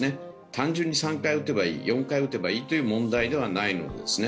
単純に３回打てばいい、４回打てばいいという問題ではないわけです。